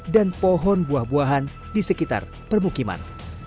pohon buah buahan di sekitar permukiman